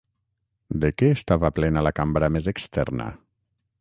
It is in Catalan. De què estava plena la cambra més externa?